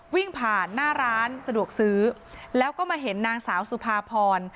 วิ่งผ่านหน้าร้านสะดวกซื้อแล้วก็มาเห็นนางสาวสุภาพร